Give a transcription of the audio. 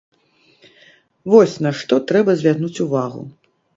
Вось, на што трэба звярнуць увагу.